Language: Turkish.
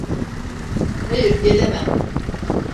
Hayır, gelemem.